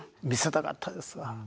見せたかったですわ。